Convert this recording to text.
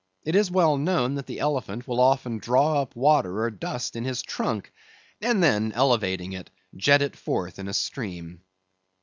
It is well known that the elephant will often draw up water or dust in his trunk, and then elevating it, jet it forth in a stream.